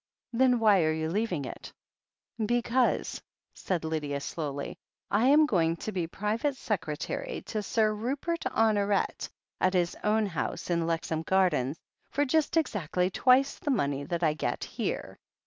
"Then why are you leaving it ?'* "Because," said Lydia slowly, "I am going to be private secretary to Sir Rupert Honoret, at his own house in Lexham Gardens, for just exactly twice the money that I get here."